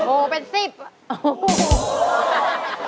โอ้เป็น๑๐